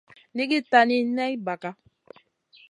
Nʼiigui tani ney ɓaga.